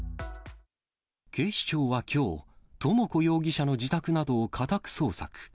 警視庁はきょう、智子容疑者の自宅などを家宅捜索。